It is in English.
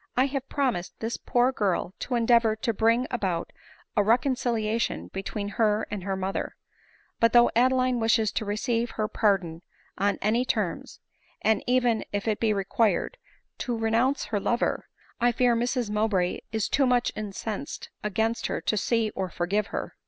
" I have promised this poor girl to endeavor to bring about a reconciliation between her and her mother ; but though Adeline wishes to receive her pardon on any terms, and even, if it be required, to renounce her lover, I fear Mrs Mowbray is too much incensed against her, to see or forgive her."